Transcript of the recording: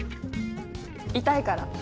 痛いから。